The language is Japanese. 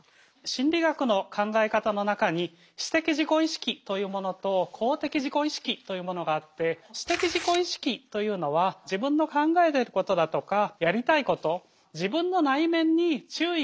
心理学の考え方の中に私的自己意識というものと公的自己意識というものがあって私的自己意識というのは自分の考えてることだとかやりたいこと自分の内面に注意がいきやすい傾向のことです。